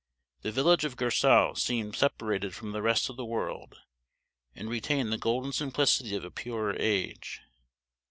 The village of Gersau seemed separated from the rest of the world, and retained the golden simplicity of a purer age.